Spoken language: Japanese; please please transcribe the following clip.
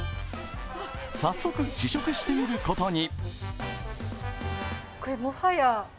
早速試食してみることに。